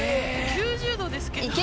９０度ですけど。